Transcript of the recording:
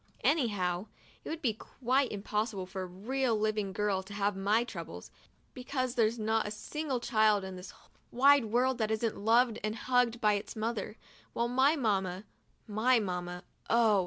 Anyhow, it would be quite impossible for a real live little girl to have my troubles, because there's not a single child in this wide world that isn't loved and hugged by its mother, while my mamma — my mamma — oh